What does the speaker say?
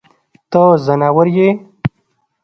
ته ځناور يې.